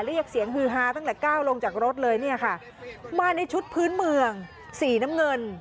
เรียกเสียงฮือฮาตั้งแต่ก้าวลงจากรถเลยเนี่ยค่ะมาในชุดพื้นเมืองสีน้ำเงิน